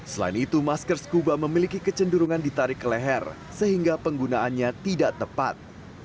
selain itu masker scuba memiliki kecenderungan ditarik ke leher sehingga penggunaannya tidak tepat